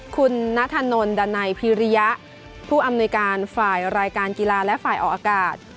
คุณนัทธานนดันัยพิริยะผู้อำนวยการฝ่ายรายการกีฬาและฝ่ายออกอากาศ